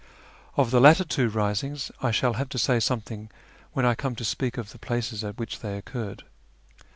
Of the two latter risings I shall have to say something when I come to speak of the j)laces at which they occurred.